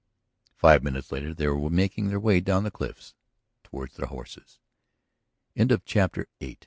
Five minutes later they were making their way down the cliffs toward the horses. CHA